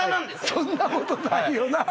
そんなことないよな